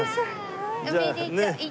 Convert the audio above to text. おめでとう。